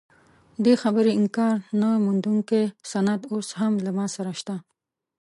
دې خبرې انکار نه منونکی سند اوس هم له ما سره شته.